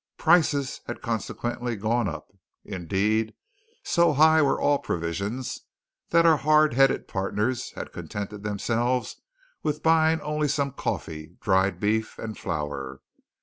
Prices had consequently gone up. Indeed, so high were all provisions that our hard headed partners had contented themselves with buying only some coffee, dried beef, and flour.